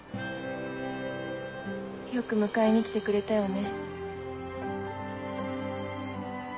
よく迎えに来てくれたよね。